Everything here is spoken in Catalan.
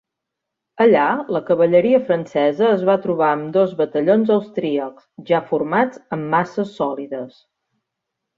Allà, la cavalleria francesa es va trobar amb dos batallons austríacs, ja formats en masses sòlides.